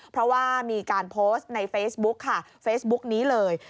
เพราะว่ามีการโพสต์ในเฟซบุ็กฟก์นี้เลย